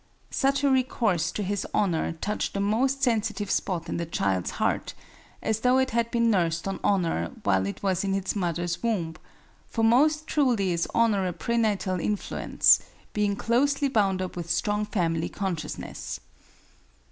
Such a recourse to his honor touched the most sensitive spot in the child's heart, as though it had been nursed on honor while it was in its mother's womb; for most truly is honor a prenatal influence, being closely bound up with strong family consciousness.